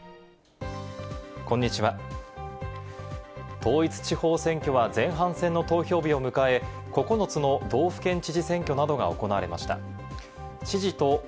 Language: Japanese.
統一地方選挙は前半戦の投票日を迎え、９つの道府県知事選挙などが行われました。